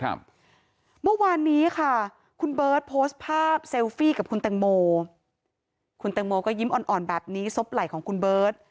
เมื่อวานนี้ค่ะคุณเบิร์ตโพสต์ภาพเซลฟี่กับคุณแตงโมคุณแตงโมก็ยิ้มอ่อนอ่อนแบบนี้ซบไหล่ของคุณเบิร์ต